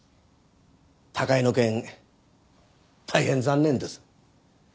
高井の件大変残念です。